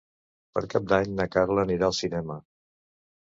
Per Cap d'Any na Carla anirà al cinema.